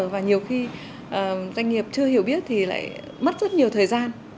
và nhiều khi doanh nghiệp chưa hiểu biết thì lại mất rất nhiều thời gian